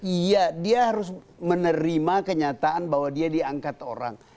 iya dia harus menerima kenyataan bahwa dia diangkat orang